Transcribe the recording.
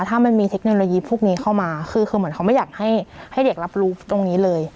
ถ้ามันมีเทคโนโลยีพวกนี้เข้ามาคือเหมือนเขาไม่อยากให้เด็กรับรู้ตรงนี้เลย